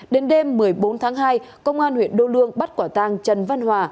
đến đêm một mươi bốn tháng hai công an huyện đâu lương bắt quả tàng trần văn hòa